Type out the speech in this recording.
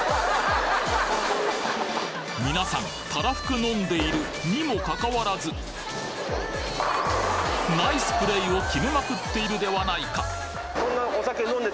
皆さんたらふく飲んでいるにもかかわらずナイスプレーを決めまくっているではないか！